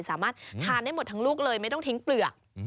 สามารถทานได้หมดทั้งลูกเลยไม่ต้องทิ้งเปลือก